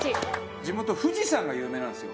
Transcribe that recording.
地元富士山が有名なんですよ。